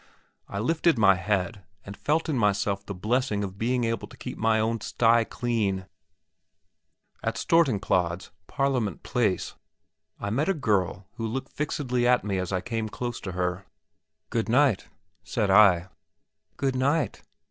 I lifted my head, and felt in myself the blessing of being able to keep my own sty clean. At Stortingsplads (Parliament Place) I met a girl who looked fixedly at me as I came close to her. "Good night!" said I. "Good night!"